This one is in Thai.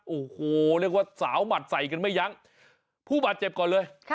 โอ้โหเรียกว่าสาวหมัดใส่กันไม่ยั้งผู้บาดเจ็บก่อนเลย